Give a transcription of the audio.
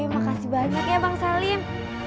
makasih banyak ya bang salim